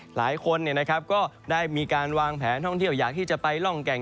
หลายคนเนี่ยนะครับก็ได้มีการวางแผนห้องเที่ยวอยากที่จะไปร่องแก่ง